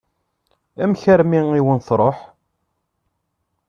Amek armi i wen-tṛuḥ?